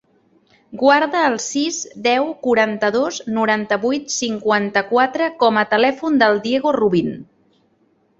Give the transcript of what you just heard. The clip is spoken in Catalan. Guarda el sis, deu, quaranta-dos, noranta-vuit, cinquanta-quatre com a telèfon del Diego Rubin.